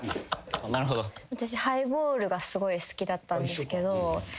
私ハイボールがすごい好きだったんですけど何か。